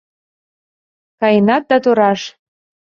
Каенат да тораш